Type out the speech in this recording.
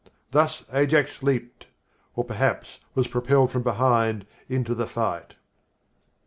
Thus Ajax leapt (or, better, was propelled from behind), into the fight."